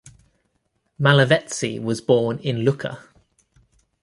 Malevezzi was born in Lucca.